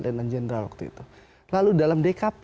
lentenan jenderal waktu itu lalu dalam dkp